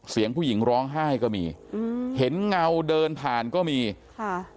เสียงผู้หญิงร้องไห้ก็มีอืมเห็นเงาเดินผ่านก็มีค่ะ